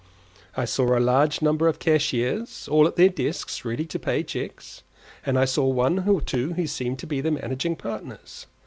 I saw a large number of cashiers, all at their desks ready to pay cheques, and one or two who seemed to be the managing partners.